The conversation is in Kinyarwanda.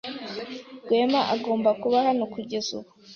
Rwema agomba kuba hano kugeza ubu.